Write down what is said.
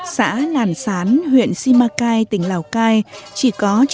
xã nàn sán huyện simacai tỉnh lào cai